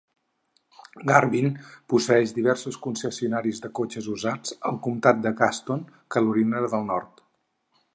Garvin posseeix diversos concessionaris de cotxes usats al Comtat de Gaston, Carolina del Nord.